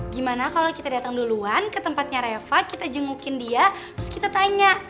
gimana kalau kita datang duluan ke tempatnya reva kita jengukin dia terus kita tanya